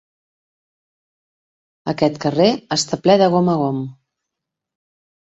Aquest carrer està ple de gom a gom.